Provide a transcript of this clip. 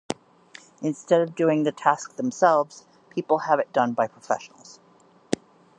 Instead of doing the task themselves, people have it done by professionals.